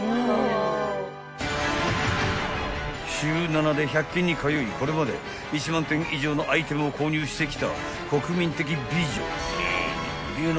［週７で１００均に通いこれまで１万点以上のアイテムを購入してきた国民的美女］